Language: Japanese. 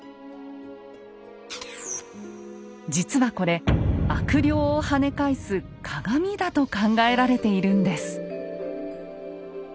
実はこれ悪霊をはね返す鏡だと考えられているんです。